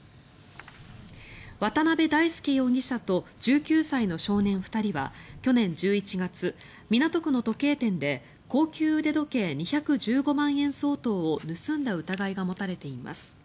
渡辺大将容疑者と１９歳の少年２人は去年１１月、港区の時計店で高級腕時計２１５万円相当を盗んだ疑いが持たれています。